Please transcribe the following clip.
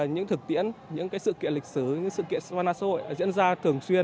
những thực tiễn những cái sự kiện lịch sử những sự kiện sơ quan hệ xã hội diễn ra thường xuyên